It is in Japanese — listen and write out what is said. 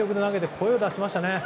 声を出しましたね。